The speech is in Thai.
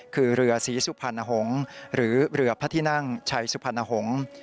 คือเรือศรีสุพรรณหงษ์หรือเรือพระที่นั่งชัยสุพรรณหงษ์